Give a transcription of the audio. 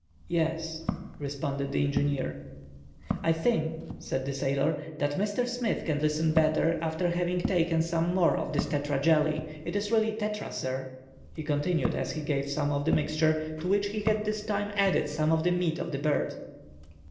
"Yes," responded the engineer. "I think," said the sailor, "that Mr. Smith can listen better after having taken some more of this tetra jelly,—it is really tetra, sir," he continued, as he gave him some of the mixture, to which he had this time added some of the meat of the bird.